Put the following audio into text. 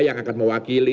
yang akan mewakili